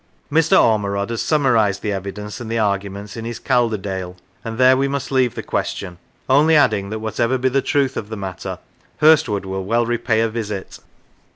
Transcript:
Ormerod has summarised the evidence and the arguments in his " Calderdale," and there we must leave the question, only adding that, whatever be the truth of the matter, Hurstwood will well repay a visit.